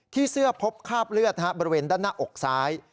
ที่เสื้อพบคาบเลือดนะครับบริเวณด้านหน้าอกซ้าย